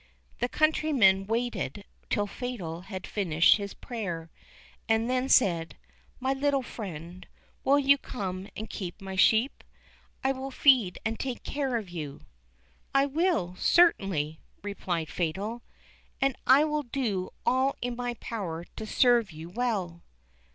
The countryman waited till Fatal had finished his prayer, and then said, "My little friend, will you come and keep my sheep? I will feed and take care of you." "I will, certainly," replied Fatal; "and I will do all in my power to serve you well."